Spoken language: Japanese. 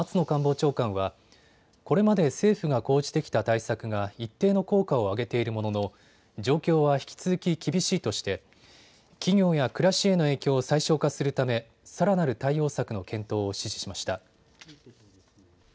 官房長官はこれまで政府が講じてきた対策が一定の効果を上げているものの状況は引き続き厳しいとして企業や暮らしへの影響を最小化するためさらなる対応策の検討を指示しました。